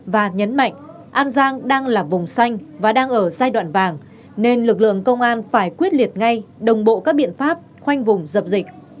và nhấn mạnh an giang đang là vùng xanh và đang ở giai đoạn vàng nên lực lượng công an phải quyết liệt ngay đồng bộ các biện pháp khoanh vùng dập dịch